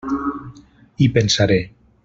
Hi pensaré.